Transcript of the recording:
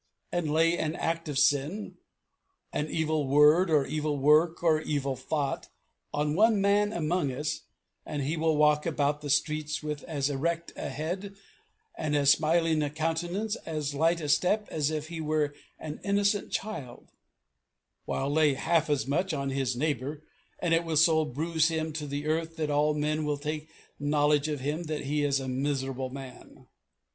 And lay an act of sin an evil word or evil work or evil thought on one man among us, and he will walk about the streets with as erect a head and as smiling a countenance and as light a step as if he were an innocent child; while, lay half as much on his neighbour, and it will so bruise him to the earth that all men will take knowledge of him that he is a miserable man.